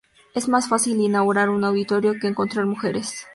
Es más fácil inaugurar un auditorio que encontrar mujeres".